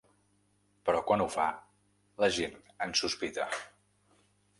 Però quan un ho fa la gent en sospita.